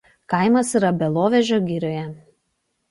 Kaimas yra Belovežo girioje.